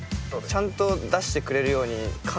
ちゃんと出してくれるように考えなきゃだ。